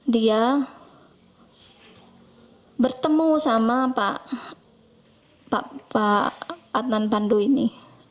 dia bertemu sama pak adnan pandu ini